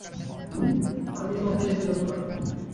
আমি তোমাকে যেতে দেব না।